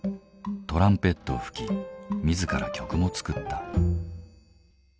トランペットを吹き自ら曲も作った。